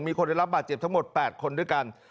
มีคนได้รับบาดเจ็บทั้งหมด๘คนด้วยกัน